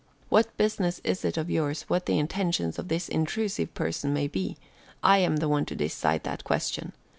"What business is it of yours what the intentions of this intrusive person may be? I am the one to decide that question.